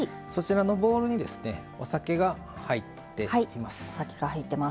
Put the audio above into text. ボウルにお酒が入っています。